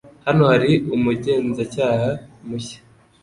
Hano hari umugenzacyaha mushya.